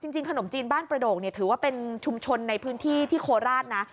จริงขนมจีนบ้านประโดกถือว่าเป็นชุมชนในพื้นที่ที่โคราชนะ